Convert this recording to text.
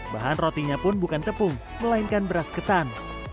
bahan rotinya pun bukan tepung melainkan beras ketan